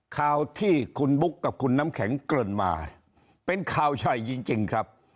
ข่าวที่คุณบุ๊คกับคุณน้ำแข็งเกริ่นมาเป็นข่าวใหญ่จริงครับ